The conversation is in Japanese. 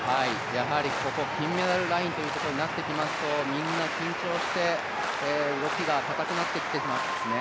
ここ金メダルラインというところになってきますと、みんな緊張して動きが硬くなってきてしまいますね。